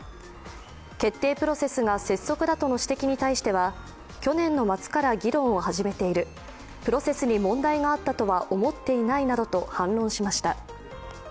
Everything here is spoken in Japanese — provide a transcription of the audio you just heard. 決定プロセスが拙速だとの指摘に際しては、去年の末から議論を始めているプロセスに問題があったとは思っていないなどと反論しました。